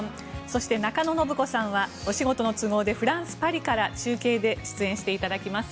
そして、中野信子さんはお仕事の都合でフランス・パリから中継で出演していただきます。